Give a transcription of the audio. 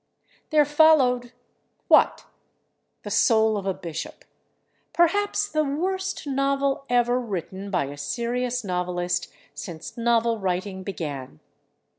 There followed—what? "The Soul of a Bishop," perhaps the worst novel ever written by a serious novelist since novel writing began.